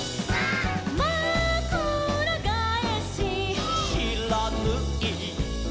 「まくらがえし」「」「しらぬい」「」